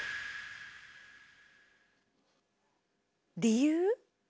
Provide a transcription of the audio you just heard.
理由？